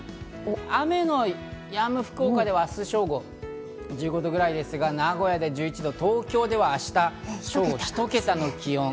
雨のやむ福岡では正午１５度ぐらいですが名古屋では１１度、東京では明日、正午、１桁の気温。